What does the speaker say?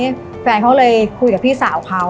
นี่แฟนเขาเลยคุยกับพี่สาวเขา